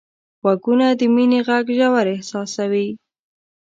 غوږونه د مینې غږ ژور احساسوي